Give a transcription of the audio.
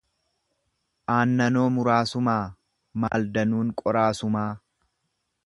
Aannanoo muraasumaa, maal danuun qoraasumaa.